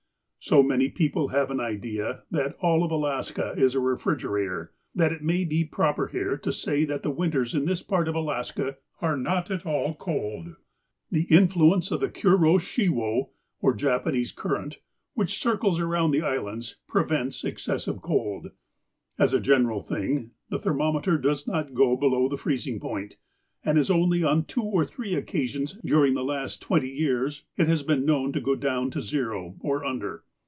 So many people have an idea that all of Alaska is a refrigerator, that it may be proper here to say that the winters in this part of Alaska are not at all cold. The influence of the Kuro Shiwo, or Japanese Current, which circles around the islands, prevents excessive cold. As a general thing, the thermometer does not go below the freezing point, and it is only on two or three occasions during the last twenty years, it has been known to go down to zero, or under.